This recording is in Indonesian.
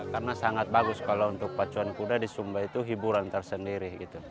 karena sangat bagus kalau untuk pacuan kuda di sumba itu hiburan tersendiri gitu